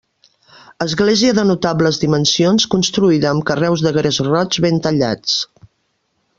Església de notables dimensions, construïda amb carreus de gres roig ben tallats.